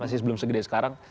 masih belum segede sekarang